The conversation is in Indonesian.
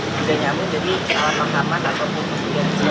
sudah nyambung jadi salah pahaman ataupun kesan